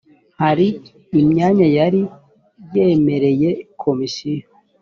hari imyanya yari yemereye komisiyo